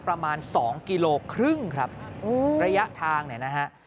ประมาณสองกิโลครึ่งครับระยะทางเนี่ยนะฮะ